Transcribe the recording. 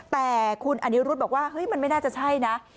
แต่คุณอนิรุธบอกว่าเฮ้ยมันไม่น่าจะใช่นะ